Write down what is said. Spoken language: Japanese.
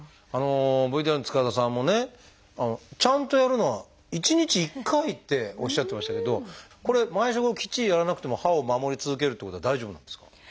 ＶＴＲの塚田さんもねちゃんとやるのは１日１回っておっしゃってましたけどこれ毎食後きっちりやらなくても歯を守り続けるってことは大丈夫なんですか？